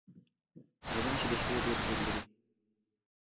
غوماشې د شپې ډېر زور لري.